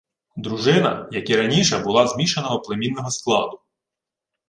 Дружина, як і раніше, була змішаного племінного складу